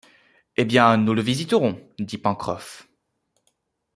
Eh bien, nous le visiterons, dit Pencroff.